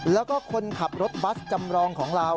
แล้วก็คนขับรถบัสจำรองของเรา